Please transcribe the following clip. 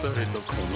この